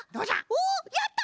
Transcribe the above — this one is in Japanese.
おやった！